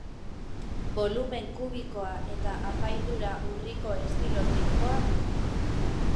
Bolumen kubikoa eta apaindura urriko estilo trinkoa du.